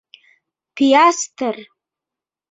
«ПИАСТР!»